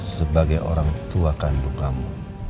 sebagai orang tua kandung kamu